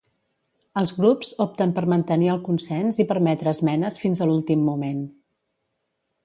Els grups opten per mantenir el consens i permetre esmenes fins a l'últim moment.